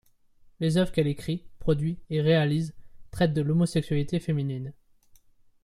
Les œuvres qu'elle écrit, produit et réalise traitent de l'homosexualité féminine.